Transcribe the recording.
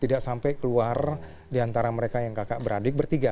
tidak sampai keluar diantara mereka yang kakak beradik bertiga